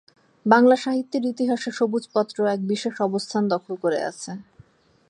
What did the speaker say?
বাংলা সাহিত্যের ইতিহাসে 'সবুজ পত্র' এক বিশেষ অবস্থান দখল করে আছে।